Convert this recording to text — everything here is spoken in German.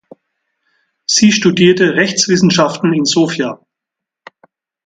Sie studierte Rechtswissenschaften in Sofia.